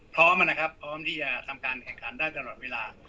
พร้อมนะครับพร้อมที่จะทำการแข่งขันได้ตลอดเวลา